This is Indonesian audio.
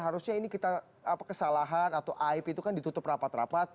harusnya ini kita kesalahan atau aib itu kan ditutup rapat rapat